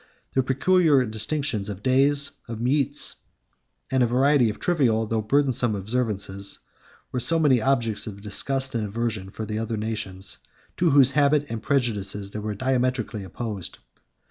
Their peculiar distinctions of days, of meats, and a variety of trivial though burdensome observances, were so many objects of disgust and aversion for the other nations, to whose habits and prejudices they were diametrically opposite.